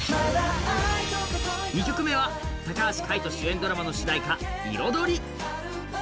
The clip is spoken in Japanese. ２曲目は高橋海人主演のドラマの主題歌「彩り」。